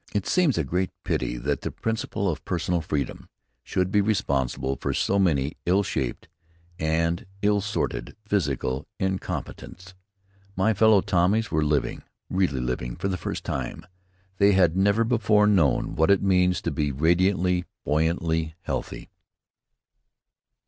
It seems a great pity that the principle of personal freedom should be responsible for so many ill shaped and ill sorted physical incompetents. My fellow Tommies were living, really living, for the first time. They had never before known what it means to be radiantly, buoyantly healthy.